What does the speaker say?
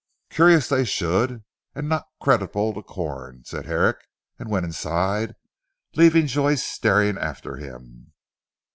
"Curious they should, and not creditable to Corn," said Herrick and went inside, leaving Joyce staring after him.